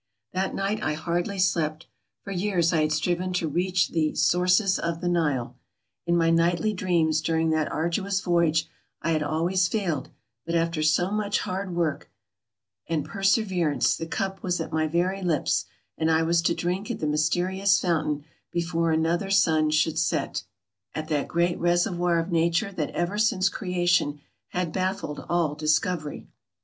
That night I hardly slept. For years I had striven to reach the "sources of the Nile." In my nightly dreams during that arduous voyage I had always failed, but after so much hard work and perseverance the cup was at my very lips, and I was to drink at the mysterious fountain before another sun should set — at that great reservoir of Nature that ever since creation had baffled all discovery.